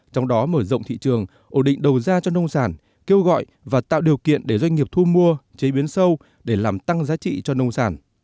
trong đó mở rộng thị trường ổn định đầu ra cho nông sản kêu gọi và tạo điều kiện để doanh nghiệp thu mua chế biến sâu để làm tăng giá trị cho nông sản